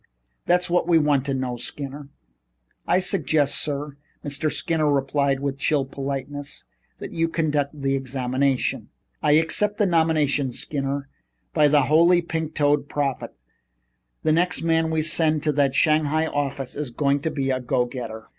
That's what we want to know, Skinner." "I suggest, sir," Mr. Skinner replied with chill politeness, "that you conduct the examination." "I accept the nomination, Skinner. By the Holy Pink toed Prophet! The next man we send out to that Shanghai office is going to be a go getter.